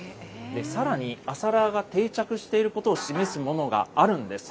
さらに朝ラーが定着していることを示すものがあるんです。